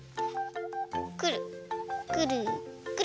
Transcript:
くるくるくる。